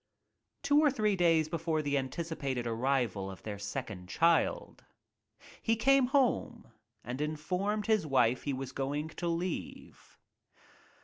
Two or three days before the anticipated arrival of their second child, he came home and informed his wife he was going to leave.